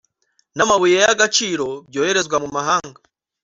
n’amabuye y’agaciro byoherezwa mu mahanga